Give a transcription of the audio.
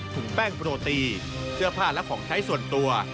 แป้งโรตีเสื้อผ้าและของใช้ส่วนตัว